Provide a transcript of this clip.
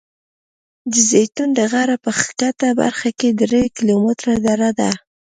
د زیتون د غره په ښکته برخه کې درې کیلومتره دره ده.